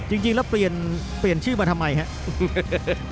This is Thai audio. จริงแล้วเปลี่ยนชื่อมาทำไมครับ